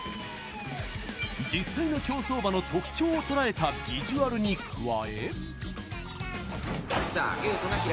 実際の競走馬の特徴を捉えたビジュアルに加え。